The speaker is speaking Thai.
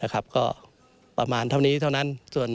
ก็ประมาณเท่านี้เท่านั้น